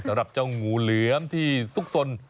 สำหรับเจ้างูเหลือมที่ซุกสน